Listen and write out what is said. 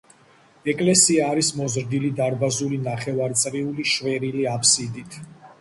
ეკლესია არის მოზრდილი დარბაზული ნახევარწრიული შვერილი აფსიდით.